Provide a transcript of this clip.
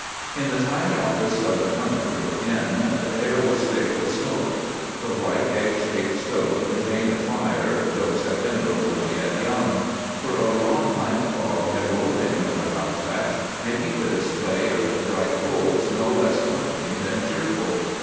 "In the tiny office of the 'Cunarder' inn the air was thick with smoke. The white, egg shaped stove contained a fire, though September was yet young; for a raw night fog had rolled in over Halifax, making the display of bright coals no less comforting than cheerful.